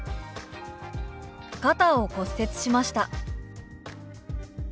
「肩を骨折しました」。